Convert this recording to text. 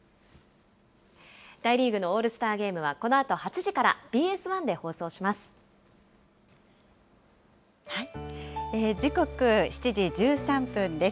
大リーグのオールスターゲームは、このあと８時から、ＢＳ１時刻、７時１３分です。